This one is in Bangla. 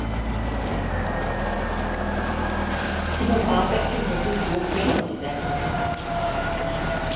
তোমার বাপ একটা নতুন গোঁফ রেখেছে দেখো।